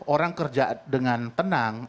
orang kerja dengan tenang